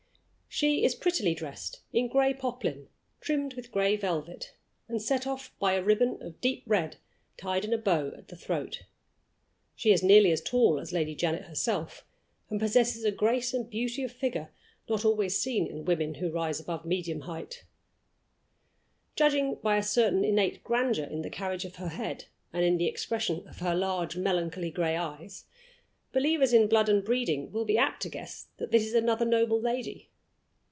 She is prettily dressed in gray poplin, trimmed with gray velvet, and set off by a ribbon of deep red tied in a bow at the throat. She is nearly as tall as Lady Janet herself, and possesses a grace and beauty of figure not always seen in women who rise above the medium height. Judging by a certain innate grandeur in the carriage of her head and in the expression of her large melancholy gray eyes, believers in blood and breeding will be apt to guess that this is another noble lady.